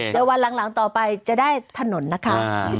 เดี๋ยววันหลังต่อไปจะได้ถนนนะคะ